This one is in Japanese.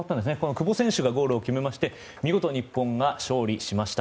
久保選手がゴールを決めまして見事、日本が勝利しました。